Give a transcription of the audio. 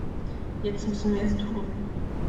Jetzt müssen wir es tun.